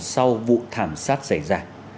sau vụ thảm sát xảy ra